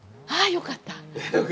よかった？